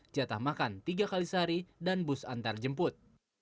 jatah makan tiga kali sehari dan bus antarjemput